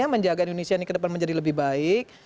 menjaga indonesia ini ke depan menjadi lebih baik